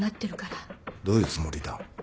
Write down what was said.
どういうつもりだ？